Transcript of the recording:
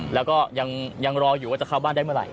แล้วก็ยังรออยู่ว่าจะเข้าบ้านได้เมื่อไห